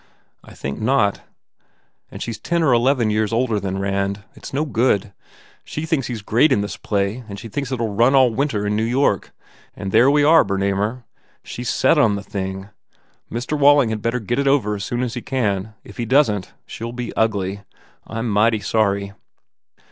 "I think not." "And she s ten or eleven years older than Rand ... It s no good. She thinks he s great in this play and she thinks it ll run all winter in New York. And there we are, Bernamer. She s set on the thing. Mr. Walling had better get it over as soon as he can. If he doesn t, she ll be ugly. I m mighty sorry."